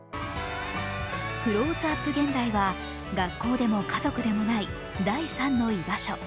「クローズアップ現代」は学校でも家族でもない「第３の居場所」。